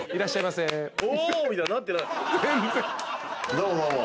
どうもどうも。